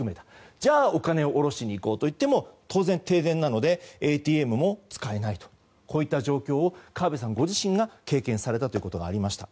じゃあ、お金を下ろしに行こうといっても当然、停電なのでＡＴＭも使えないというこういった状況を川部さんご自身が経験されたということがありました。